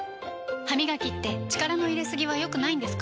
歯みがきって力の入れすぎは良くないんですか？